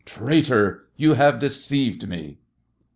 Traitor, you have deceived me!